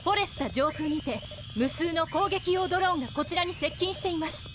上空にて無数の攻撃用ドローンがこちらに接近しています。